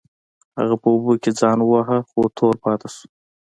هغه په اوبو کې ځان وواهه خو تور پاتې شو.